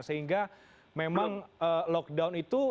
sehingga memang lockdown itu